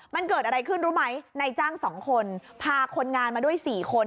มันเกิดอะไรขึ้นรู้ไหมในจ้าง๒คนพาคนงานมาด้วย๔คน